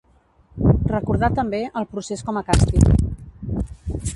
Recordar també el procés com a càstig.